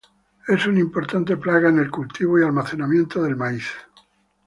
Es una importante plaga en el cultivo y almacenamiento del maíz.